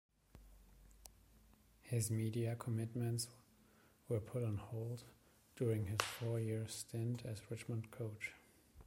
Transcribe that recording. His media commitments were put on hold during his four-year stint as Richmond coach.